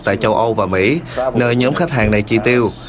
tại châu âu và mỹ nơi nhóm khách hàng này chi tiêu